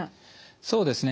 そうですね。